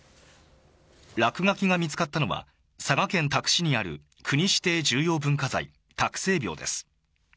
落書きが見つかったのは佐賀県多久市にある国指定重要文化財・多久聖廟です。